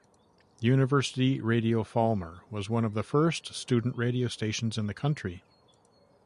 "University Radio Falmer" was one of the first student radio stations in the country.